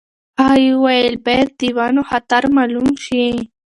هغې وویل باید د ونو خطر مالوم شي.